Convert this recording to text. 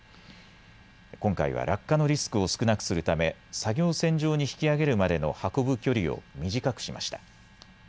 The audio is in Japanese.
今回は落下のリスクを少なくするため作業船上に引き揚げるまでの運ぶ距離を短くしました。